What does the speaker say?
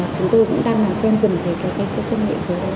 chúng tôi cũng đang quen dần về các công nghệ số đó